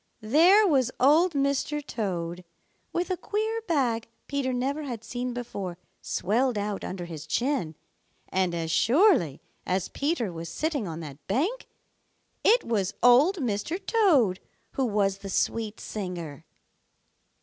There was Old Mr. Toad with a queer bag Peter never had seen before swelled out under his chin, and as surely as Peter was sitting on that bank, it was Old Mr. Toad who was the sweet singer!